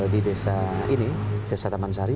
di desa ini desa tamansari